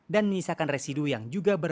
dan menyisakan residu yang juga berhasil